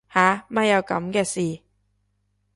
吓乜有噉嘅事